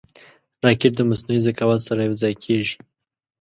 راکټ د مصنوعي ذکاوت سره یوځای کېږي